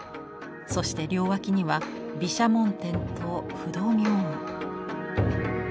そして両脇には毘沙門天と不動明王。